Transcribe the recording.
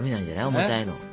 重たいの。